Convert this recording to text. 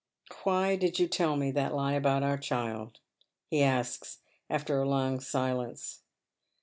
" Why did you tell me that lie about our child ?" he asks, after A long silence.